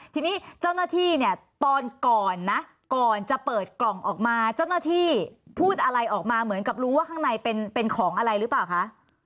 ทีนี้เจ้าหน้าที่เนี่ยตอนก่อนนะก่อนจะเปิดกล่องออกมาเจ้าหน้าที่พูดอะไรออกมาเหมือนกับรู้ว่าข้างในเป็นของอะไรหรือเปล่าคะ